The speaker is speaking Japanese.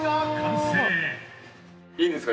いいですか？